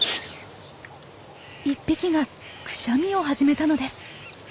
１匹がクシャミを始めたのです。